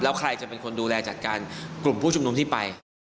แล้วใครจะเป็นคนดูแลจัดการกลุ่มผู้ชุมนุมที่ไป